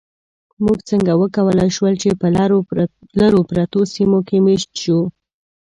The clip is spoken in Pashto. موږ څنګه وکولی شول، چې په لرو پرتو سیمو کې مېشت شو؟